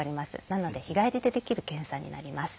なので日帰りでできる検査になります。